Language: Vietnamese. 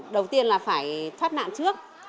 đầu tiên là phải thoát nạn trước